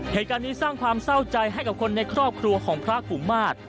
เหตุการณ์นี้สร้างความเศร้าใจให้กับคนในครอบครัวของพระกุมาตร